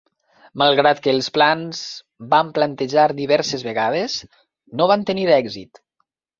Malgrat que els plans van plantejar diverses vegades, no van tenir èxit.